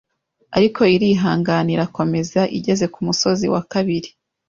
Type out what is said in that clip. Ariko irihangana irakomeza Igeze ku musozi wa kabiri